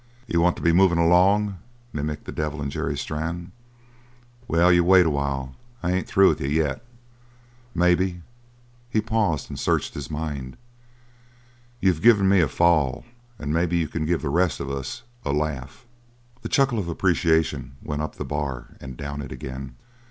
"You want to be moving along" mimicked the devil in Jerry Strann. "Well, you wait a while. I ain't through with you yet. Maybe " he paused and searched his mind. "You've given me a fall, and maybe you can give the rest of us a laugh!" The chuckle of appreciation went up the bar and down it again.